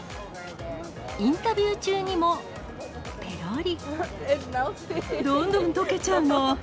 インタビュー中にも、ぺろり。